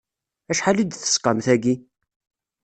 Acḥal i d-tesqam tagi?